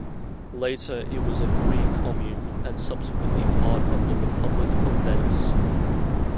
Later it was a free commune, and subsequently part of the Republic of Venice.